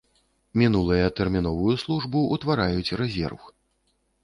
Мінулыя тэрміновую службу ўтвараюць рэзерв.